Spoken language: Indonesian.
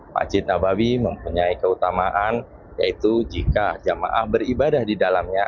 masjid nabawi mempunyai keutamaan yaitu jika jamaah beribadah di dalamnya